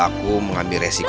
aku sudah membuat keputusan